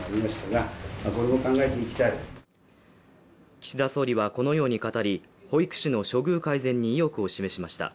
岸田総理はこのように語り保育士の処遇改善に意欲を示しました。